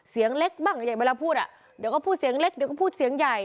เสียงเล็กบ้างอย่างเวลาพูดอ่ะเดี๋ยวก็พูดเสียงเล็กเดี๋ยวก็พูดเสียงใหญ่